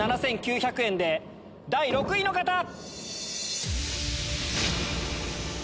２万７９００円で第６位の方！